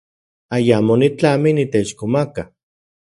Ayamo nitlami niteixkomaka.